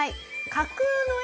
架空の駅？